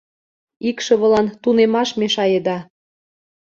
Икшывылан тунемаш мешаеда.